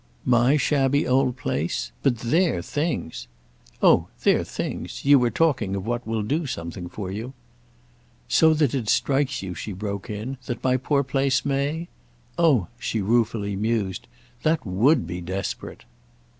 "My shabby old place? But their things—!" "Oh their things! You were talking of what will do something for you—" "So that it strikes you," she broke in, "that my poor place may? Oh," she ruefully mused, "that would be desperate!"